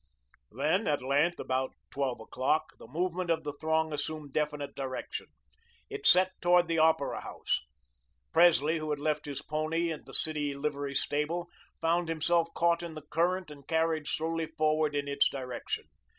Then, at length, about twelve o'clock, the movement of the throng assumed definite direction. It set towards the Opera House. Presley, who had left his pony at the City livery stable, found himself caught in the current and carried slowly forward in its direction.